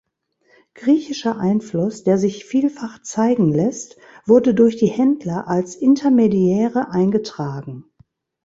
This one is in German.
Griechischer Einfluss, der sich vielfach zeigen lässt, wurde durch die Händler als Intermediäre eingetragen.